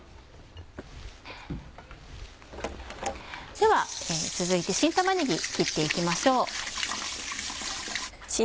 では続いて新玉ねぎ切っていきましょう。